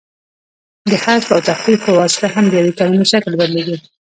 د حذف او تخفیف په واسطه هم د یوې کلیمې شکل بدلیږي.